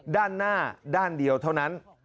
ด้านหน้าด้านเดียวเท่านั้น